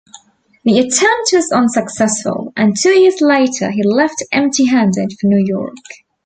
The attempt was unsuccessful, and two years later he left empty-handed for New York.